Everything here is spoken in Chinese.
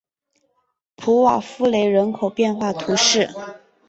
普瓦夫雷人口变化图示